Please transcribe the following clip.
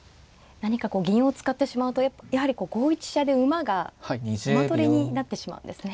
何かこう銀を使ってしまうとやはりこう５一飛車で馬が馬取りになってしまうんですね。